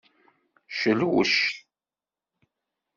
Celwec.